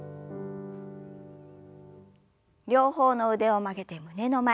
両方の腕を曲げて胸の前。